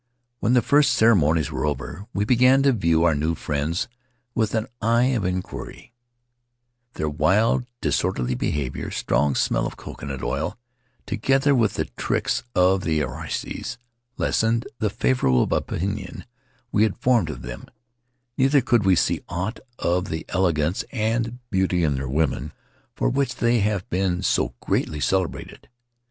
When the first ceremonies were over, we began to view our new friends with an eye of inquiry; their wild, disorderly behavior, strong smell of coconut oil, together with the tricks of the arreoies, lessened the favorable opinion we had formed of them; neither could we see aught of that elegance and beauty in their women for which they have been so greatly celebrated.